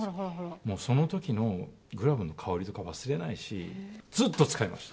もうそのときのグラブの香りとか忘れないし、ずっと使いました。